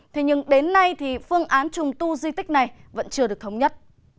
thế nhưng đến nay thì phương án trùng tu di tích này vẫn chưa được thống nhất